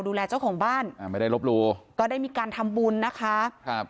ดูแลเจ้าของบ้านอ่าไม่ได้ลบหลูก็ได้มีการทำบุญนะคะครับ